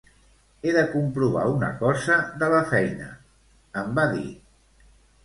"He de comprovar una cosa de la feina", em va dir.